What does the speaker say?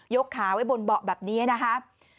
กขาไว้บนเบาะแบบนี้นะครับ